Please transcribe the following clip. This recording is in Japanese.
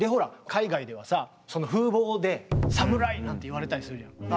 海外ではさその風貌でサムライなんて言われたりするじゃない。